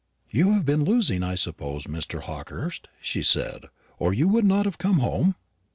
"You have been losing, I suppose, Mr. Hawkehurst," she said, "or you would not have come home?"